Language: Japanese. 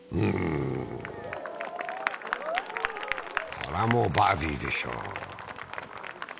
これはもうバーディーでしょう。